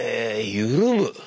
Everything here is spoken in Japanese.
緩む⁉